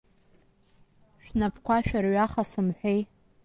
Шәнапқәа шәырҩаха сымҳәеи!